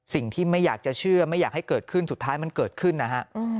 สิ่งที่ไม่อยากจะเชื่อไม่อยากให้เกิดขึ้นสุดท้ายมันเกิดขึ้นนะฮะ